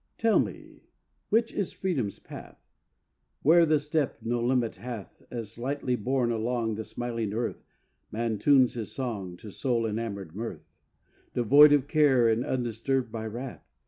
Tell me, which is Freedom's path? Where the step no limit hath, As lightly borne along The smiling earth Man tunes his song To soul enamoured mirth, Devoid of care and undisturbed by wrath?